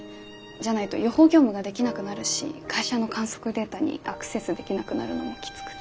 じゃないと予報業務ができなくなるし会社の観測データにアクセスできなくなるのもきつくて。